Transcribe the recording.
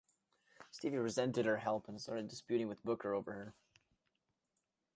Stevie resented her help and started disputing with Booker over her.